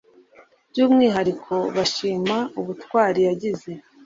by’umwihariko bashima ubutwari yagize